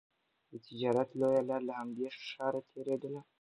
د تجارت لویه لاره له همدې ښاره تېرېدله.